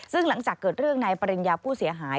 ซึ่งหลังจากเกิดเรื่องนายปริญญาผู้เสียหาย